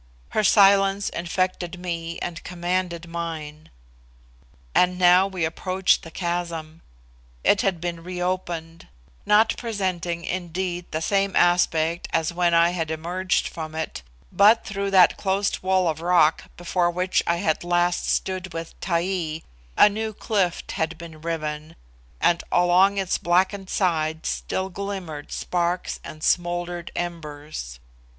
Her silence infected me and commanded mine. And now we approached the chasm. It had been re opened; not presenting, indeed, the same aspect as when I had emerged from it, but through that closed wall of rock before which I had last stood with Taee, a new clift had been riven, and along its blackened sides still glimmered sparks and smouldered embers.